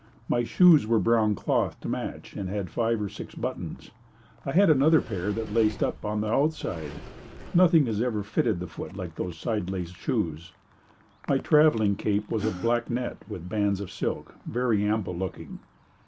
My shoes were brown cloth to match and had five or six buttons. I had another pair that laced on the outside. Nothing has ever fitted the foot like those side lace shoes. My traveling cape was of black net with bands of silk very ample looking.